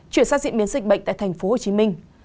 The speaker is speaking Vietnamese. chuyển sang diễn biến dịch bệnh tại tp hcm